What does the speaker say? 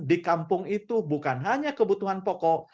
di kampung itu bukan hanya kebutuhan pokok